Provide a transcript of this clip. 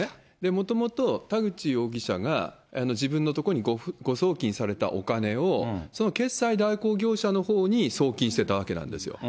もともと田口容疑者が自分のところに誤送金されたお金を、その決済代行業者のほうに送金してたわけなんですよ。